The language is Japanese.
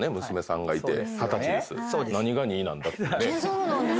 そうなんです。